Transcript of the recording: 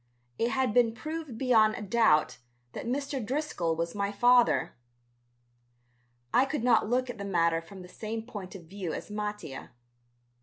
It had been proved beyond a doubt that Mr. Driscoll was my father. I could not look at the matter from the same point of view as Mattia.